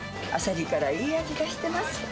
あさりからいい味出してます。